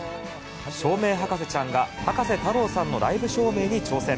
照明博士ちゃんが葉加瀬太郎さんのライブ照明に挑戦。